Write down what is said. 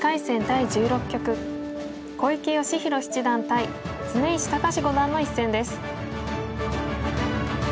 第１６局小池芳弘七段対常石隆志五段の一戦です。